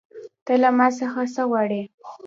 ته له ما څخه څه غواړې